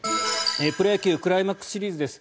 プロ野球クライマックスシリーズです。